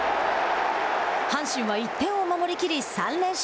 阪神は１点を守りきり３連勝。